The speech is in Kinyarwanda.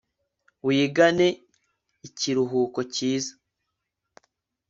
Wigane ikiruhuko cyiza